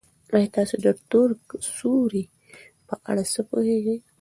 ایا تاسي د تور سوري په اړه څه پوهېږئ؟